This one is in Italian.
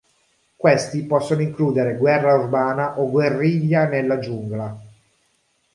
Questi possono includere guerra urbana o guerriglia nella giungla.